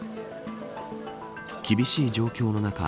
厳しい状況の中